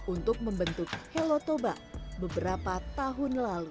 untuk membentuk helotoba beberapa tahun lalu